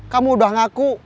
kamu udah ngaku